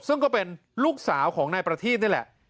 ซึ่งก็เป็นลูกสาวของนายประทีบนี่แหละ